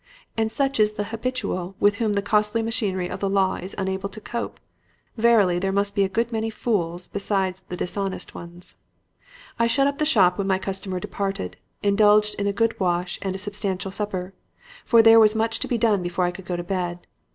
And such is the 'habitual' with whom the costly machinery of the law is unable to cope! Verily, there must be a good many fools besides the dishonest ones! "I shut up the shop when my customer departed, indulged in a good wash and a substantial supper. For there was much to be done before I could go to bed.